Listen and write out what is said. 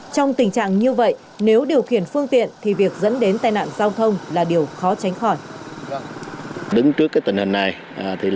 trong tình trạng như vậy nếu điều khiển phương tiện thì việc dẫn đến tai nạn giao thông là điều khó tránh khỏi